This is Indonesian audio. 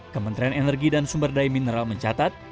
kementerian energi dan sumber daya mineral mencatat